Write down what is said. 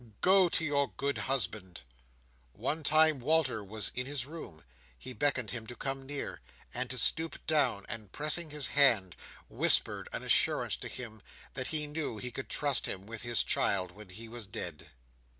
Go to your good husband!" One time when Walter was in his room, he beckoned him to come near, and to stoop down; and pressing his hand, whispered an assurance to him that he knew he could trust him with his child when he was dead.